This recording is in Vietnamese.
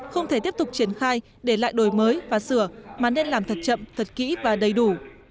không thể tiếp tục triển khai để lại đổi mới và sửa mà nên làm thật chậm thật kỹ và đầy đủ